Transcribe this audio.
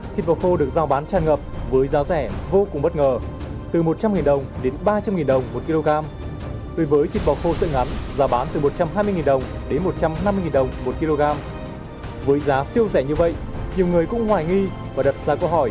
thịt bò khô được giao bán tràn ngập với giá rẻ vô cùng bất ngờ từ một trăm linh nghìn đồng đến ba trăm linh nghìn đồng một kg